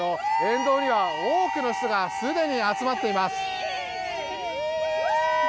沿道には多くの人がすでに集まっています。